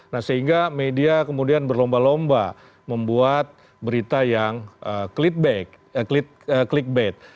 nah sehingga media kemudian berlomba lomba membuat berita yang click bad